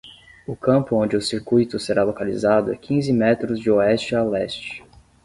O campo onde o circuito será localizado é quinze metros de oeste a leste.